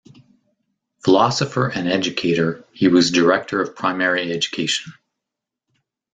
Philosopher and educator, he was Director of Primary Education.